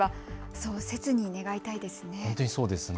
そうせつに願いたいですね。